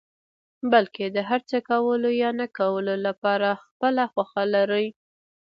بلکې د هر څه کولو يا نه کولو لپاره خپله خوښه لري.